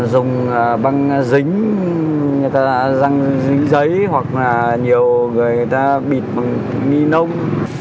dùng băng dính người ta dăng dính giấy hoặc là nhiều người người ta bịt bằng nghi nông